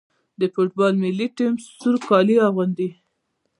د فوټبال ملي ټیم سور کالي اغوندي.